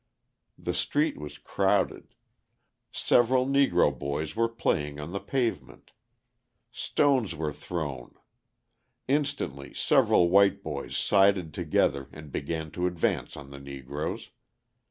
The street was crowded. Several Negro boys were playing on the pavement. Stones were thrown. Instantly several white boys sided together and began to advance on the Negroes.